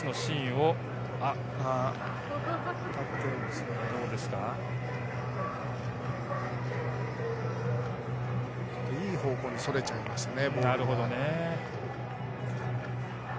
ボールがいい方向にそれちゃいましたね。